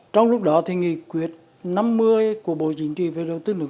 trong lúc đó thì nghị quyết năm mươi của bộ chính trị về đầu tư nước